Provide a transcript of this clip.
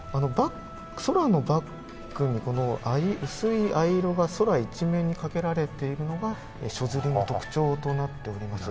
空のバックに薄い藍色が空一面にかけられているのが初刷りの特徴となっております。